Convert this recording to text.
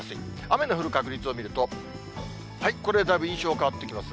雨の降る確率を見ると、これ、だいぶ印象変わってきます。